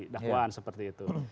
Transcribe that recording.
dakwaan seperti itu